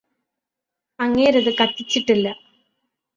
അങ്ങേരത് കത്തിച്ചിട്ടില്ല